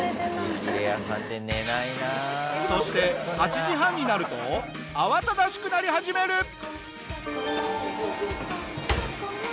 そして８時半になると慌ただしくなり始める。